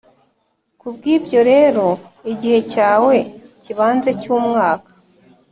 kubwibyo rero igihe cyawe cyibanze cyumwaka,